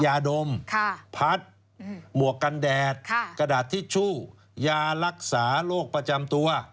ยาดมพัดหมวกกันแดดกระดาษทิชชู่ยารักษาโรคประจำตัว